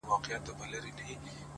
حوصله د اوږدو لارو انرژي ده’